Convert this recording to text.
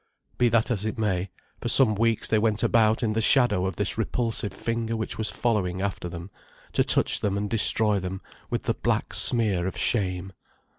Be that as it may, for some weeks they went about in the shadow of this repulsive finger which was following after them, to touch them and destroy them with the black smear of shame.